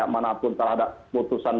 mana pun terhadap putusan